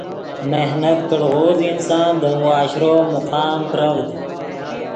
محنت کڑغوز انسان دے معاشرو مقام پرڤد